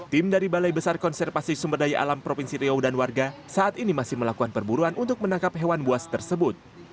tim dari balai besar konservasi sumber daya alam provinsi riau dan warga saat ini masih melakukan perburuan untuk menangkap hewan buas tersebut